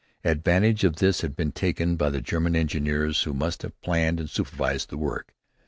Advantage of this had been taken by the German engineers who must have planned and supervised the work.